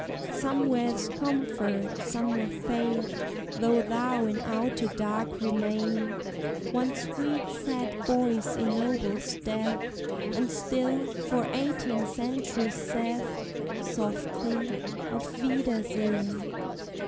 Somewhere is comfort, somewhere faith, Though thou in outer dark remain; One sweet sad voice ennobles death, And still, for eighteen centuries saith Softly, "Auf wiedersehen!"